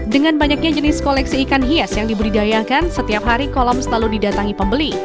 dengan banyaknya jenis koleksi ikan hias yang dibudidayakan setiap hari kolam selalu didatangi pembeli